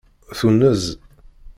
Tunez.